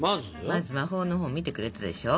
まず魔法の本を見てくれてたでしょ？